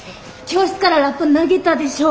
教室からラッパ投げたでしょ。